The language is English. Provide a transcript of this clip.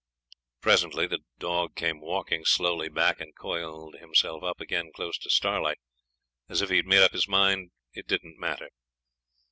Presently the dog came walking slowly back, and coiled himself up again close to Starlight, as if he had made up his mind it didn't matter.